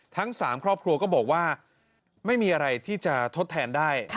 ทั้ง๓ครอบครัวก็บอกว่าไม่มีอะไรที่จะทดแทนได้